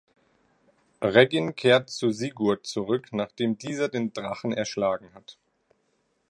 Reginn kehrt zu Sigurd zurück, nachdem dieser den Drachen erschlagen hat.